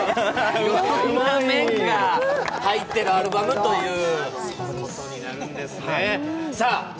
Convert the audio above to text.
いろんな面が入っているアルバムということになるんですね。